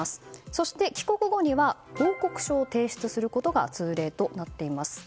そして、帰国後には報告書を提出することが通例となっています。